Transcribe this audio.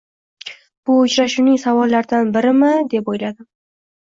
Bu uchrashuvning savollaridan birimi, deb oʻyladim.